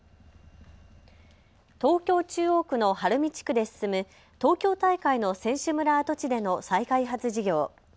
東京中央区の晴海地区で進む東京大会の選手村跡地での再開発事業。